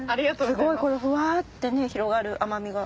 すごいこれふわってね広がる甘みが。